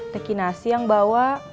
deki nasi yang bawa